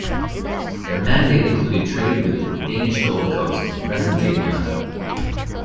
Their mandate included trade with the Danish Gold Coast in present-day Ghana.